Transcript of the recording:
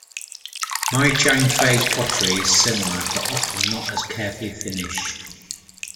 Machang-phase pottery is similar, but often not as carefully finished.